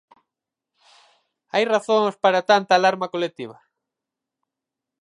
Hai razóns para tanta alarma colectiva?